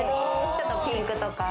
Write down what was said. ちょっとピンクとか。